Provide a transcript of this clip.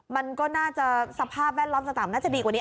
มันก็น่าจะสภาพแวดล้อมสนามน่าจะดีกว่านี้